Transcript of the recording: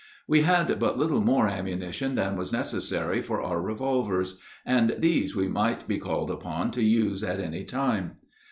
We had but little more ammunition than was necessary for our revolvers, and these we might be called upon to use at any time.